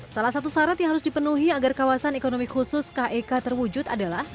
salah satu syarat yang harus dipenuhi agar kawasan ekonomi khusus kek terwujud adalah